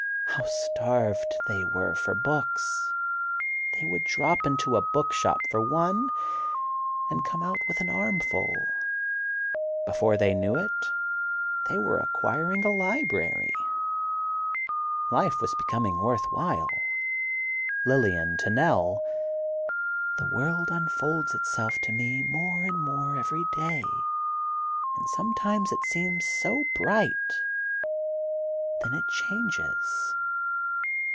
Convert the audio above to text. How starved they were for books! They would drop into a book shop for one, and come out with an armful. Before they knew it, they were acquiring a library. Life was becoming worth while. Lillian to Nell: "The world unfolds itself to me more and more every day, and sometimes it seems so bright; then it changes